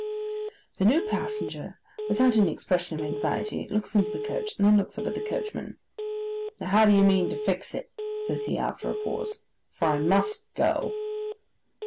The new passenger, without any expression of anxiety, looks into the coach, and then looks up at the coachman: 'Now, how do you mean to fix it?' says he, after a pause: 'for I must go.